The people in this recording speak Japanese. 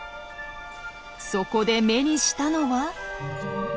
そこで目にしたのは。